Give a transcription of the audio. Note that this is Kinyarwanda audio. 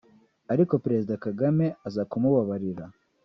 ariko Perezida Kagame aza kumubabarira